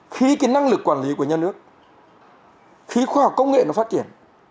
khi khoa học công nghệ nó phát triển